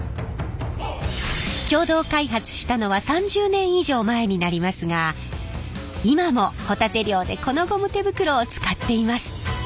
共同開発したのは３０年以上前になりますが今もホタテ漁でこのゴム手袋を使っています。